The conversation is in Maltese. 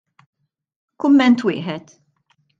Kumment wieħed.